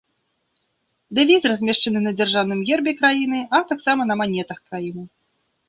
Дэвіз размешчаны на дзяржаўным гербе краіны, а таксама на манетах краіны.